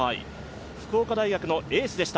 福岡大学のエースでした。